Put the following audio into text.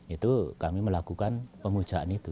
itu kami melakukan pemujaan itu